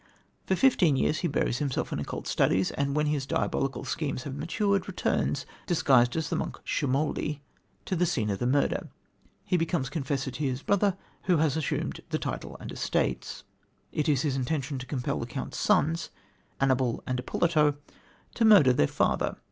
For fifteen years he buries himself in occult studies, and when his diabolical schemes have matured, returns, disguised as the monk Schemoli, to the scene of the murder. He becomes confessor to his brother, who has assumed the title and estates. It is his intention to compel the Count's sons, Annibal and Ippolito, to murder their father.